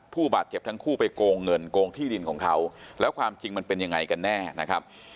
ผู้บาดเจ็บทั้งคู่ไปโกงเงินโกงที่ดินของเขาแล้วความจริงมันเป็นยังไงกันแน่นะครับ